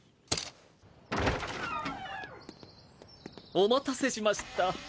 お待たせしました。